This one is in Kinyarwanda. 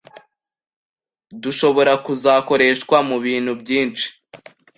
“dushobora kuzakoreshwa mu bintu byinshi,